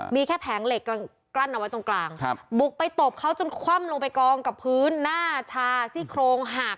มีแค่แผงเหล็กกลั้นเอาไว้ตรงกลางบุกไปตบเขาจนคว่ำลงไปกองกับพื้นหน้าชาซี่โครงหัก